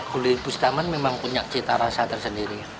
gulai bustaman memang punya cita rasa tersendiri